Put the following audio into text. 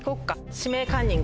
「指名カンニング」